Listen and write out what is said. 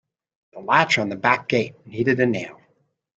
The latch on the back gate needed a nail.